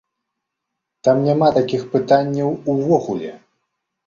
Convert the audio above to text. Там няма такіх пытанняў увогуле.